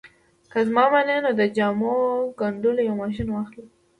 که زما منې نو د جامو ګنډلو یو ماشين واخله